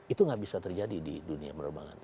itu nggak bisa terjadi di dunia penerbangan